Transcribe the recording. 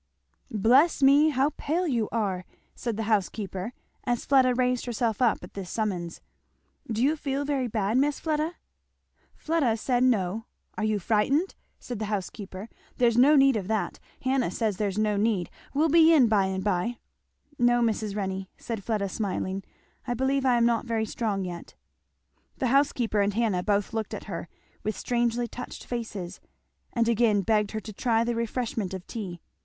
"Bless me, how pale you are!" said the housekeeper, as Fleda raised herself up at this summons, "do you feel very bad, Miss Fleda?" Fleda said no. "Are you frighted?" said the housekeeper; "there's no need of that Hannah says there's no need we'll be in by and by." "No, Mrs. Renney," said Fleda smiling. "I believe I am not very strong yet." The housekeeper and Hannah both looked at her with strangely touched faces, and again begged her to try the refreshment of tea.